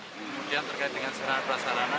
kemudian terkait dengan senarai perasaan rana